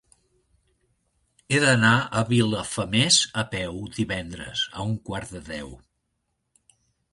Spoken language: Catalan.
He d'anar a Vilafamés a peu divendres a un quart de deu.